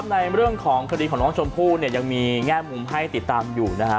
ในเรื่องของคดีของน้องชมพู่เนี่ยยังมีแง่มุมให้ติดตามอยู่นะฮะ